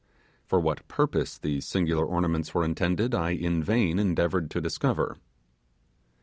For what purpose these angular ornaments were intended I in vain endeavoured to discover.